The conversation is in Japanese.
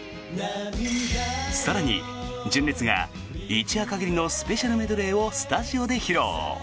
更に、純烈が一夜限りのスペシャルメドレーをスタジオで披露！